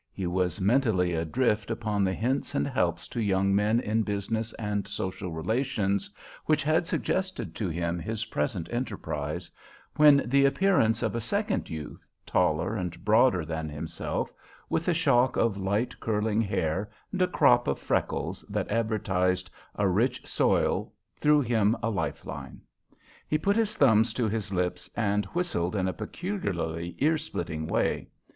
He was mentally adrift upon the Hints and Helps to Young Men in Business and Social Relations, which had suggested to him his present enterprise, when the appearance of a second youth, taller and broader than himself, with a shock of light curling hair and a crop of freckles that advertised a rich soil threw him a lifeline. He put his thumbs to his lips and whistled in a peculiarly ear splitting way.